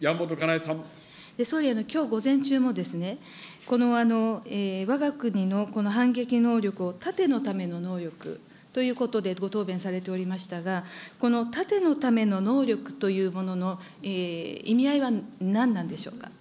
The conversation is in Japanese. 総理、きょう午前中も、わが国のこの反撃能力を盾のための能力ということでご答弁されておりましたが、この盾のための能力というものの意味合いは何なんでしょうか。